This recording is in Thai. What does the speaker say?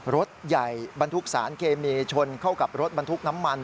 รถใหญ่บรรทุกสารเคมีชนเข้ากับรถบรรทุกน้ำมัน